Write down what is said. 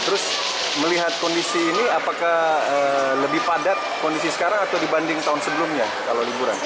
terus melihat kondisi ini apakah lebih padat kondisi sekarang atau dibanding tahun sebelumnya kalau liburan